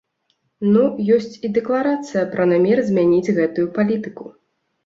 Ну, і ёсць дэкларацыя пра намер змяніць гэтую палітыку.